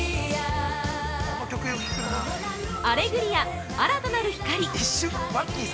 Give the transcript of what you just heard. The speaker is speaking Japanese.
「アレグリア−新たなる光−」！